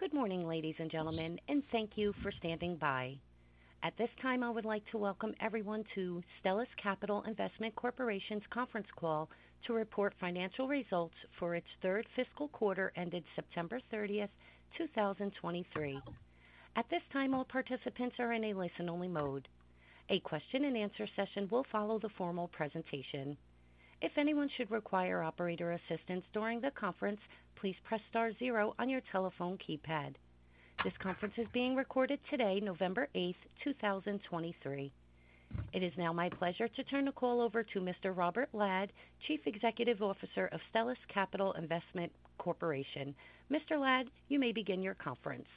Good morning, ladies and gentlemen, and thank you for standing by. At this time, I would like to welcome everyone to Stellus Capital Investment Corporation's conference call to report financial results for its Third Fiscal Quarter Ended September 30, 2023. At this time, all participants are in a listen-only mode. A question-and-answer session will follow the formal presentation. If anyone should require operator assistance during the conference, please press star zero on your telephone keypad. This conference is being recorded today, November 8, 2023. It is now my pleasure to turn the call over to Mr. Robert Dodd, Chief Executive Officer of Stellus Capital Investment Corporation. Mr. Ladd, you may begin your conference.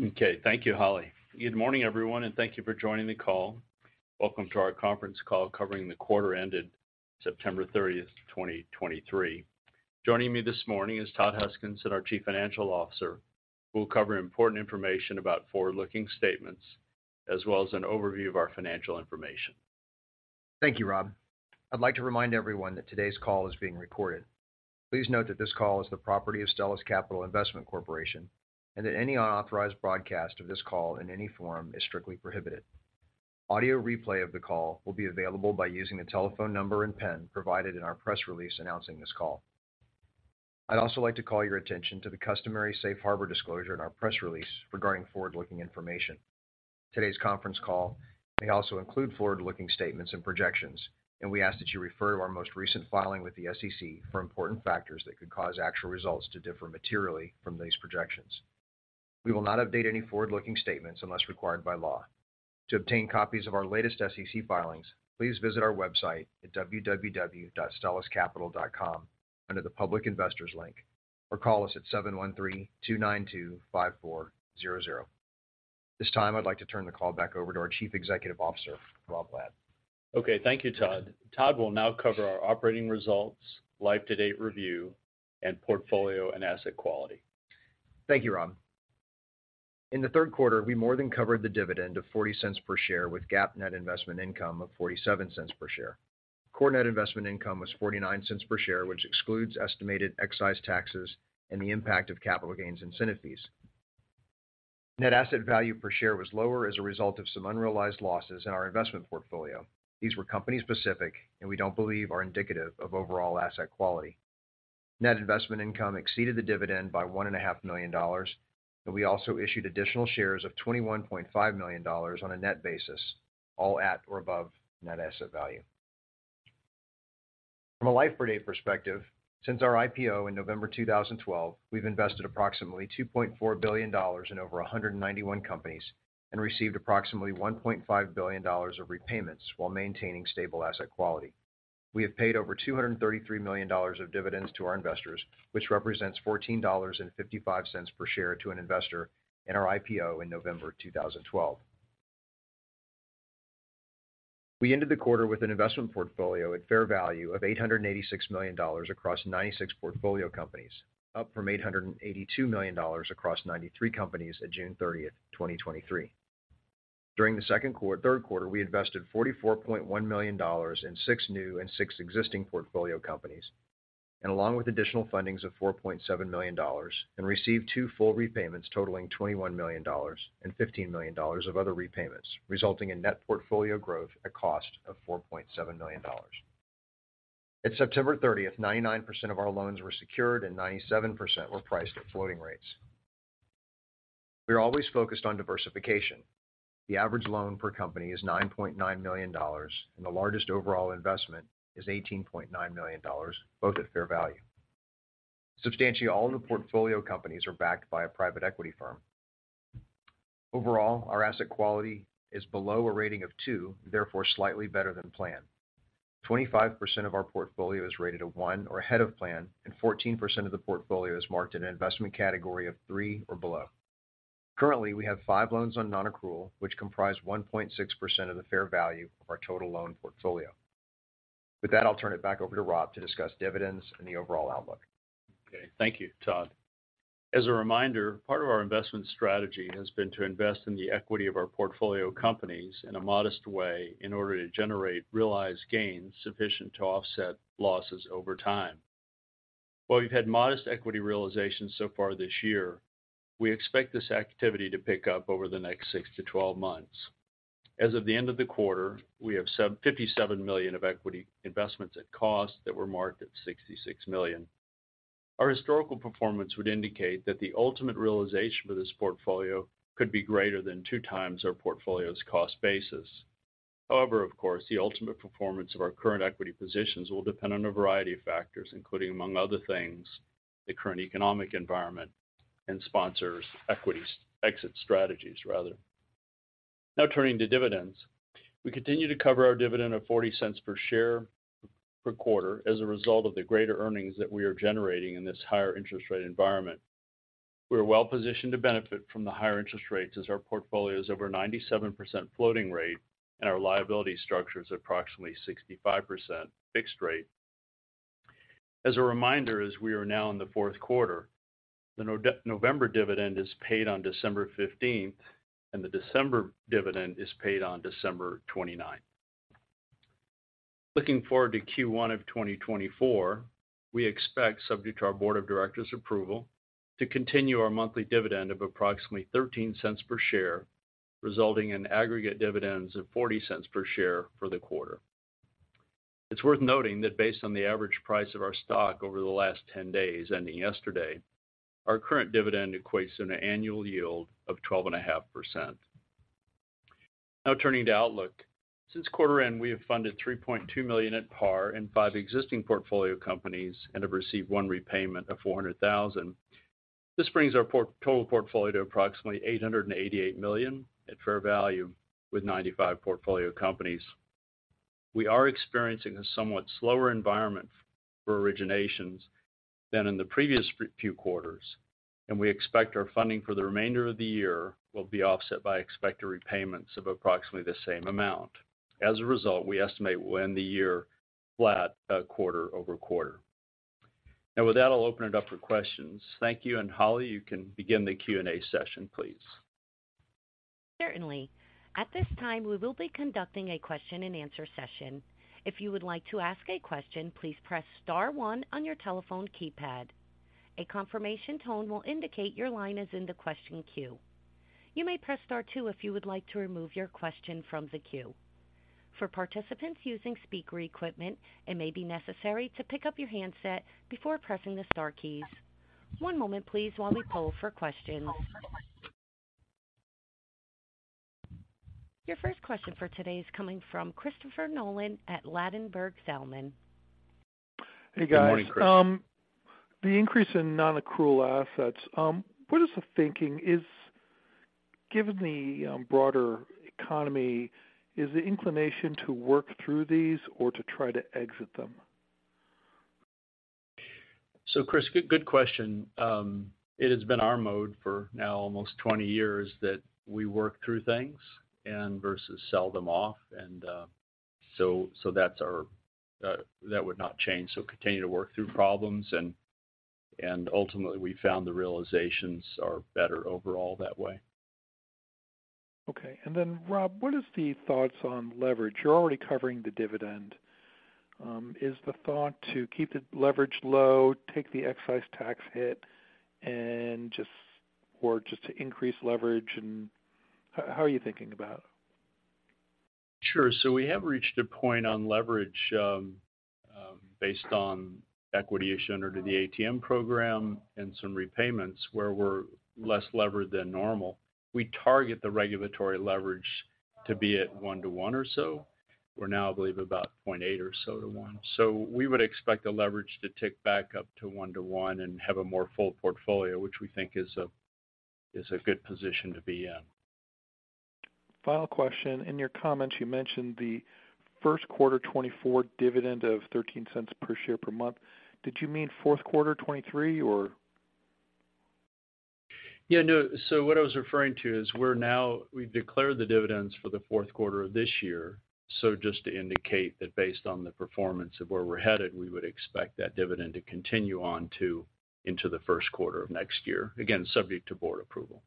Okay. Thank you, Holly. Good morning, everyone, and thank you for joining the call. Welcome to our conference call covering the quarter ended September 30, 2023. Joining me this morning is Todd Huskinson, our Chief Financial Officer, who will cover important information about forward-looking statements, as well as an overview of our financial information. Thank you, Rob. I'd like to remind everyone that today's call is being recorded. Please note that this call is the property of Stellus Capital Investment Corporation, and that any unauthorized broadcast of this call in any form is strictly prohibited. Audio replay of the call will be available by using the telephone number and PIN provided in our press release announcing this call. I'd also like to call your attention to the customary Safe Harbor disclosure in our press release regarding forward-looking information. Today's conference call may also include forward-looking statements and projections, and we ask that you refer to our most recent filing with the SEC for important factors that could cause actual results to differ materially from these projections. We will not update any forward-looking statements unless required by law. To obtain copies of our latest SEC filings, please visit our website at www.stelluscapital.com under the Public Investors link, or call us at 713-292-5400. This time, I'd like to turn the call back over to our Chief Executive Officer, Rob Ladd. Okay, thank you, Todd. Todd will now cover our operating results, life to date review, and portfolio and asset quality. Thank you, Rob. In the third quarter, we more than covered the dividend of $0.40 per share, with GAAP net investment income of $0.47 per share. Core net investment income was $0.49 per share, which excludes estimated excise taxes and the impact of capital gains incentive fees. Net asset value per share was lower as a result of some unrealized losses in our investment portfolio. These were company-specific and we don't believe are indicative of overall asset quality. Net investment income exceeded the dividend by $1.5 million, and we also issued additional shares of $21.5 million on a net basis, all at or above net asset value. From a life-to-date perspective, since our IPO in November 2012, we've invested approximately $2.4 billion in over 191 companies and received approximately $1.5 billion of repayments while maintaining stable asset quality. We have paid over $233 million of dividends to our investors, which represents $14.55 per share to an investor in our IPO in November 2012. We ended the quarter with an investment portfolio at fair value of $886 million across 96 portfolio companies, up from $882 million across 93 companies at June 30, 2023. During the third quarter, we invested $44.1 million in 6 new and 6 existing portfolio companies, and along with additional fundings of $4.7 million and received 2 full repayments totaling $21 million and $15 million of other repayments, resulting in net portfolio growth at cost of $4.7 million. At September 30, 99% of our loans were secured and 97% were priced at floating rates. We are always focused on diversification. The average loan per company is $9.9 million, and the largest overall investment is $18.9 million, both at fair value. Substantially, all the portfolio companies are backed by a private equity firm. Overall, our asset quality is below a rating of 2, therefore, slightly better than planned. 25% of our portfolio is rated a 1 or ahead of plan, and 14% of the portfolio is marked in an investment category of 3 or below. Currently, we have 5 loans on nonaccrual, which comprise 1.6% of the fair value of our total loan portfolio. With that, I'll turn it back over to Rob to discuss dividends and the overall outlook. Okay, thank you, Todd. As a reminder, part of our investment strategy has been to invest in the equity of our portfolio companies in a modest way in order to generate realized gains sufficient to offset losses over time. While we've had modest equity realizations so far this year, we expect this activity to pick up over the next 6-12 months. As of the end of the quarter, we have $57 million of equity investments at cost that were marked at $66 million. Our historical performance would indicate that the ultimate realization for this portfolio could be greater than 2x our portfolio's cost basis. However, of course, the ultimate performance of our current equity positions will depend on a variety of factors, including, among other things, the current economic environment and sponsors equities exit strategies, rather. Now, turning to dividends. We continue to cover our dividend of $0.40 per share per quarter as a result of the greater earnings that we are generating in this higher interest rate environment. We are well positioned to benefit from the higher interest rates as our portfolio is over 97% floating rate and our liability structure is approximately 65% fixed rate. As a reminder, as we are now in the fourth quarter, the November dividend is paid on December fifteenth, and the December dividend is paid on December twenty-ninth. Looking forward to Q1 of 2024, we expect, subject to our board of directors' approval, to continue our monthly dividend of approximately $0.13 per share, resulting in aggregate dividends of $0.40 per share for the quarter. It's worth noting that based on the average price of our stock over the last 10 days, ending yesterday, our current dividend equates to an annual yield of 12.5%. Now turning to outlook. Since quarter end, we have funded $3.2 million at par in five existing portfolio companies and have received one repayment of $400,000. This brings our total portfolio to approximately $888 million at fair value, with 95 portfolio companies. We are experiencing a somewhat slower environment for originations than in the previous few quarters, and we expect our funding for the remainder of the year will be offset by expected repayments of approximately the same amount. As a result, we estimate we'll end the year flat, quarter-over-quarter. Now with that, I'll open it up for questions. Thank you, and Holly, you can begin the Q&A session, please. Certainly. At this time, we will be conducting a question-and-answer session. If you would like to ask a question, please press star one on your telephone keypad. A confirmation tone will indicate your line is in the question queue. You may press star two if you would like to remove your question from the queue. For participants using speaker equipment, it may be necessary to pick up your handset before pressing the star keys. One moment please while we poll for questions. Your first question for today is coming from Christopher Nolan at Ladenburg Thalmann. Hey, guys. Good morning, Chris. The increase in nonaccrual assets, what is the thinking? Given the broader economy, is the inclination to work through these or to try to exit them? So, Chris, good, good question. It has been our mode for now almost 20 years, that we work through things and versus sell them off. And, so that's our, that would not change. So continue to work through problems, and ultimately, we found the realizations are better overall that way. Okay. And then, Rob, what is the thoughts on leverage? You're already covering the dividend. Is the thought to keep the leverage low, take the excise tax hit and just - or just to increase leverage? And how, how are you thinking about it? Sure. So we have reached a point on leverage based on equity issued under the ATM program and some repayments where we're less levered than normal. We target the regulatory leverage to be at 1:1 or so. We're now, I believe, about 0.8 or so to 1. So we would expect the leverage to tick back up to 1:1 and have a more full portfolio, which we think is a good position to be in. Final question. In your comments, you mentioned the first quarter 2024 dividend of $0.13 per share per month. Did you mean fourth quarter 2023, or? Yeah, no. So what I was referring to is, we're now. We've declared the dividends for the fourth quarter of this year. So just to indicate that based on the performance of where we're headed, we would expect that dividend to continue on to, into the first quarter of next year, again, subject to board approval.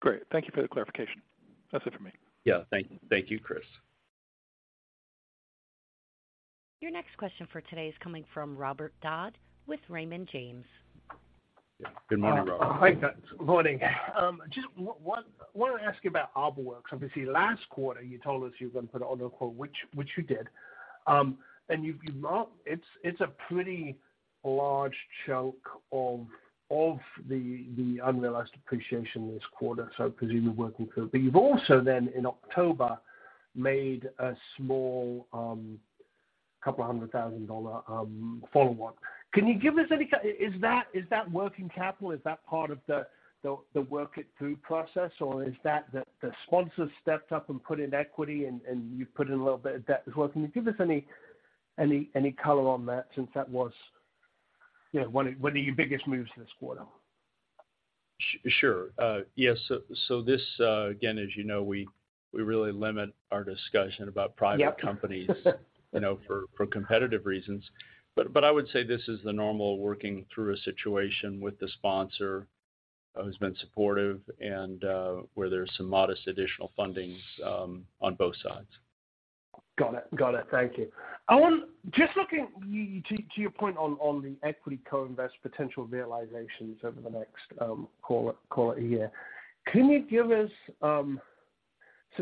Great. Thank you for the clarification. That's it for me. Yeah. Thank you, Chris. Your next question for today is coming from Robert Dodd with Raymond James. Good morning, Robert. Hi, guys. Morning. Just wanna ask you about ArborWorks. Obviously, last quarter, you told us you were going to put it on nonaccrual, which you did. And you've marked it. It's a pretty large chunk of the unrealized appreciation this quarter, so presumably working through. But you've also then in October, made a small $200,000 follow-on. Can you give us any? Is that working capital? Is that part of the workout through process, or is that the sponsor stepped up and put in equity and you put in a little bit of debt as well? Can you give us any color on that, since that was, you know, one of your biggest moves this quarter? Sure. Yes. So, this, again, as you know, we really limit our discussion about private companies- Yep. you know, for competitive reasons. But I would say this is the normal working through a situation with the sponsor, who's been supportive and, where there's some modest additional fundings, on both sides. Got it. Got it. Thank you. I want just looking to your point on the equity co-invest potential realizations over the next, call it a year. Can you give us,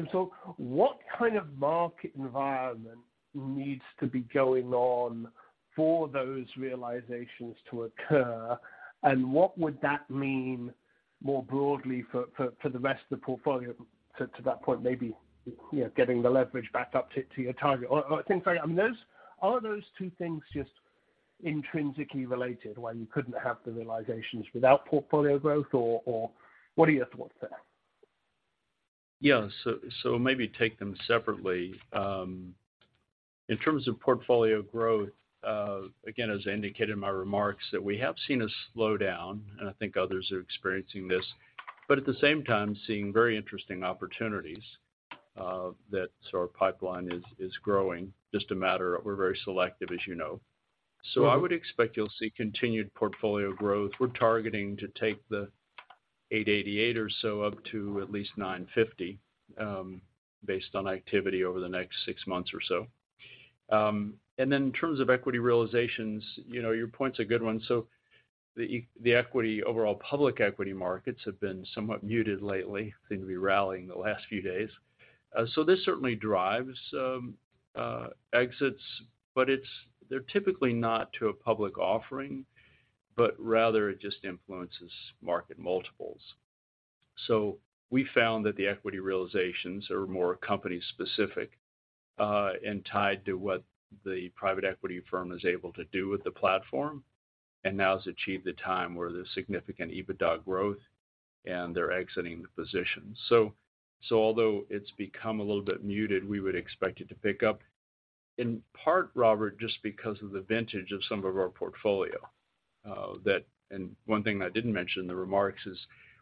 so what kind of market environment needs to be going on for those realizations to occur, and what would that mean more broadly for the rest of the portfolio to that point, maybe, you know, getting the leverage back up to your target? Or things like, I mean, those, are those two things just intrinsically related, where you couldn't have the realizations without portfolio growth, or what are your thoughts there? Yeah. So, maybe take them separately. In terms of portfolio growth, again, as I indicated in my remarks, that we have seen a slowdown, and I think others are experiencing this, but at the same time, seeing very interesting opportunities that so our pipeline is growing. Just a matter of we're very selective, as you know. So I would expect you'll see continued portfolio growth. We're targeting to take the $888 or so, up to at least $950, based on activity over the next six months or so. And then in terms of equity realizations, you know, your point's a good one. So the equity, overall public equity markets have been somewhat muted lately. Seem to be rallying the last few days. So this certainly drives exits, but they're typically not to a public offering, but rather it just influences market multiples. So we found that the equity realizations are more company-specific, and tied to what the private equity firm is able to do with the platform, and now has achieved the time where there's significant EBITDA growth, and they're exiting the position. So although it's become a little bit muted, we would expect it to pick up. In part, Robert, just because of the vintage of some of our portfolio. And one thing I didn't mention in the remarks is,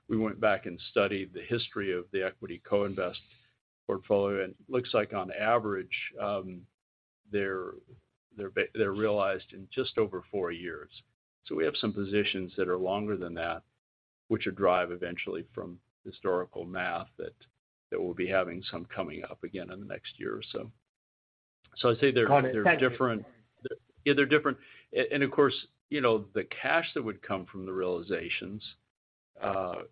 we went back and studied the history of the equity co-invest portfolio, and it looks like, on average, they're realized in just over four years. So we have some positions that are longer than that, which will drive eventually from historical math, that we'll be having some coming up again in the next year or so. So I'd say they're- Got it. They're different. Yeah, they're different. And, of course, you know, the cash that would come from the realizations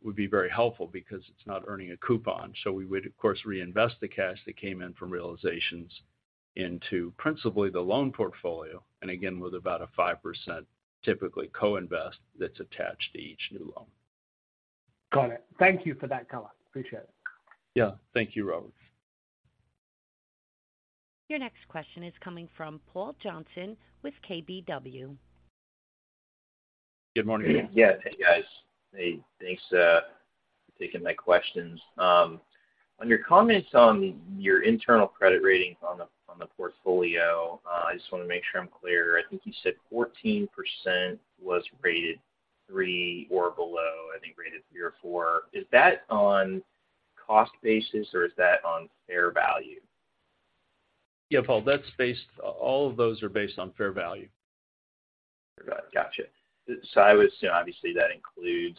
would be very helpful because it's not earning a coupon. So we would, of course, reinvest the cash that came in from realizations into principally the loan portfolio, and again, with about 5%, typically, co-invest that's attached to each new loan. Got it. Thank you for that color. Appreciate it. Yeah. Thank you, Robert. Your next question is coming from Paul Johnson with KBW. Good morning. Yes. Hey, guys. Hey, thanks for taking my questions. On your comments on your internal credit rating on the, on the portfolio, I just wanna make sure I'm clear. I think you said 14% was rated three or below, I think rated three or four. Is that on cost basis, or is that on fair value? Yeah, Paul, that's based... All of those are based on fair value. Gotcha. So I was, you know, obviously, that includes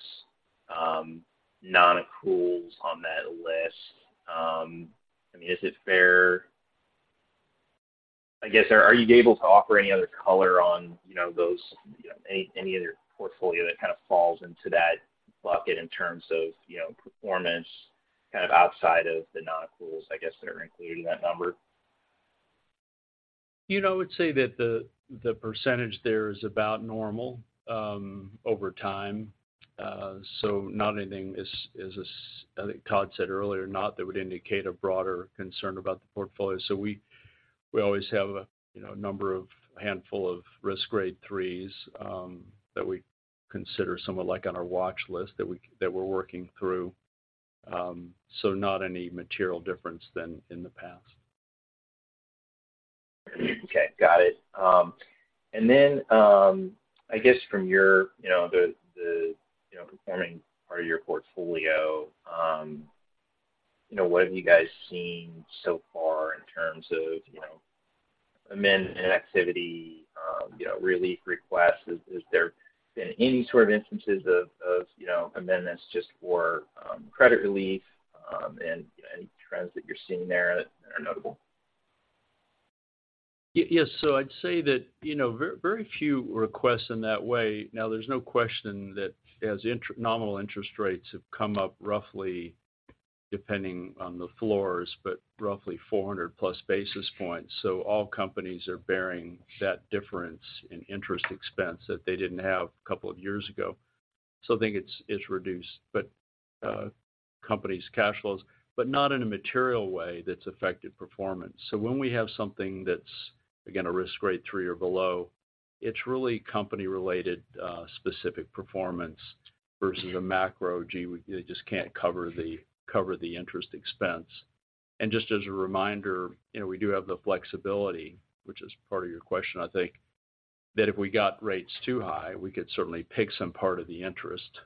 nonaccruals on that list. I mean, is it fair, I guess, are you able to offer any other color on, you know, those, you know, any other portfolio that kind of falls into that bucket in terms of, you know, performance, kind of outside of the nonaccruals, I guess, that are included in that number? You know, I would say that the percentage there is about normal over time. So not anything, as I think Todd said earlier, not that would indicate a broader concern about the portfolio. So we always have a, you know, a number of handful of Risk Grade threes that we consider somewhat like on our watch list, that we're working through. So not any material difference than in the past. Okay, got it. And then, I guess from your, you know, the performing part of your portfolio, you know, what have you guys seen so far in terms of, you know, amend-and-extend activity, you know, relief requests? Has there been any sort of instances of, you know, amendments just for credit relief, and, you know, any trends that you're seeing there that are notable? Yes. So I'd say that, you know, very, very few requests in that way. Now, there's no question that as nominal interest rates have come up, roughly depending on the floors, but roughly 400+ basis points. So all companies are bearing that difference in interest expense that they didn't have a couple of years ago. So I think it's reduced, but companies' cash flows, but not in a material way that's affected performance. So when we have something that's, again, a Risk Grade 3 or below, it's really company-related, specific performance versus a macro, "Gee, we, they just can't cover the interest expense." And just as a reminder, you know, we do have the flexibility, which is part of your question, I think, that if we got rates too high, we could certainly pick some part of the interest,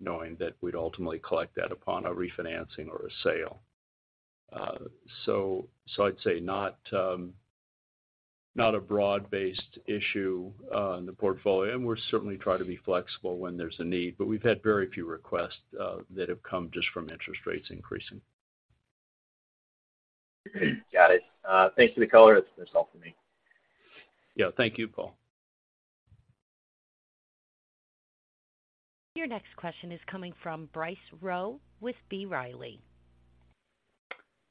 knowing that we'd ultimately collect that upon a refinancing or a sale. So, I'd say not a broad-based issue in the portfolio, and we're certainly trying to be flexible when there's a need, but we've had very few requests that have come just from interest rates increasing. Got it. Thank you for the color. That's all for me. Yeah. Thank you, Paul. Your next question is coming from Bryce Rowe with B. Riley.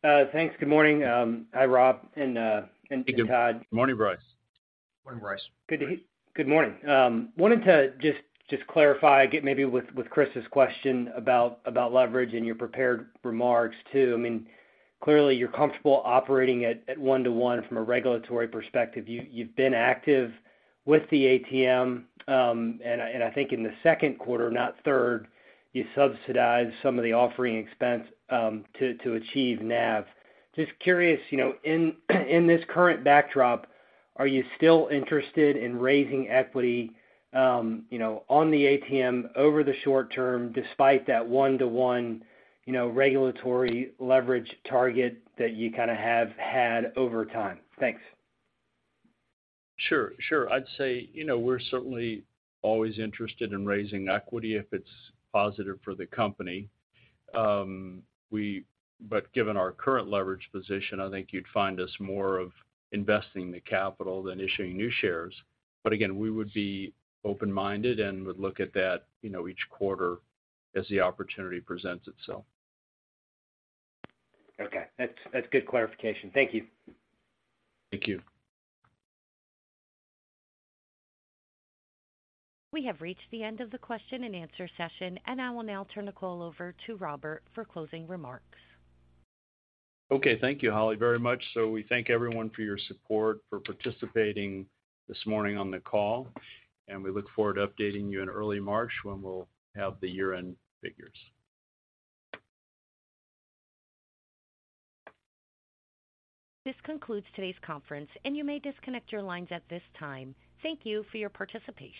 Thanks. Good morning. Hi, Rob and Todd. Good morning, Bryce. Morning, Bryce. Good morning. Wanted to just clarify, get maybe with Chris's question about leverage and your prepared remarks, too. I mean, clearly, you're comfortable operating at 1-to-1 from a regulatory perspective. You've been active with the ATM, and I think in the second quarter, not third, you subsidized some of the offering expense to achieve NAV. Just curious, you know, in this current backdrop, are you still interested in raising equity, you know, on the ATM over the short term, despite that 1-to-1 regulatory leverage target that you kind of have had over time? Thanks. Sure. Sure. I'd say, you know, we're certainly always interested in raising equity if it's positive for the company. But given our current leverage position, I think you'd find us more of investing the capital than issuing new shares. But again, we would be open-minded and would look at that, you know, each quarter as the opportunity presents itself. Okay. That's, that's good clarification. Thank you. Thank you. We have reached the end of the question and answer session, and I will now turn the call over to Robert for closing remarks. Okay. Thank you, Holly, very much. We thank everyone for your support, for participating this morning on the call, and we look forward to updating you in early March, when we'll have the year-end figures. This concludes today's conference, and you may disconnect your lines at this time. Thank you for your participation.